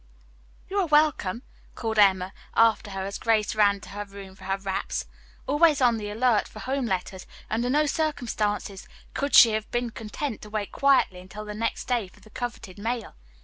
"You are welcome," called Emma after her as Grace ran to her room for her wraps. Always on the alert for home letters, under no circumstances could she have been content to wait quietly until the next day for the coveted mail.